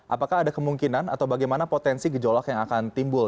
apakah ada kemungkinan atau bagaimana potensi gejolak yang akan timbul